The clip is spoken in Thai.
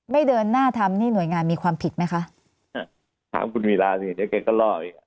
ไม่เดินหน้าทำนี่หน่วยงานมีความผิดไหมคะถามคุณวิราชนิดนึงเดี๋ยวเกรงก็รอ